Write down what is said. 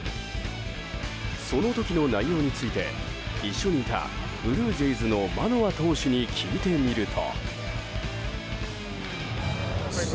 その時の内容について一緒にいたブルージェイズのマノア投手に聞いてみると。